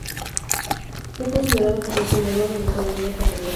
Fue considerado como el fundador de la Anatomía Patológica.